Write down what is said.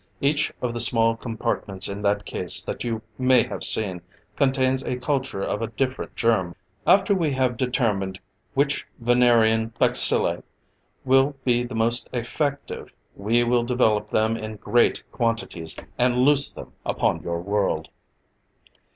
Each of the small compartments in that case that you may have seen, contains a culture of a different germ. After we have determined which Venerian bacilli will be the most effective, we will develop them in great quantities, and loose them upon your world.